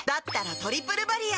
「トリプルバリア」